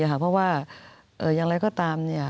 ยังไงก็ตาม